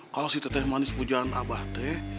kalo si teteh manis pujaan abah teh